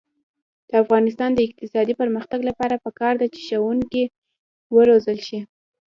د افغانستان د اقتصادي پرمختګ لپاره پکار ده چې ښوونکي وروزل شي.